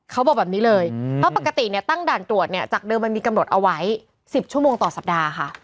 เขาบอกแบบนี้เลยเพราะปกติเนี่ยตั้งด่านตรวจเนี่ยจากเดิมมันมีกำหนดเอาไว้๑๐ชั่วโมงต่อสัปดาห์ค่ะ